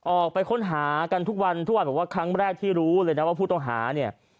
ออกไปค้นหากันทุกวันทุกวันบอกว่าครั้งแรกที่รู้เลยนะว่าผู้ต้องหาเนี่ย